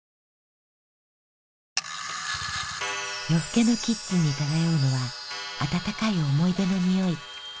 夜更けのキッチンに漂うのは温かい思い出のにおい。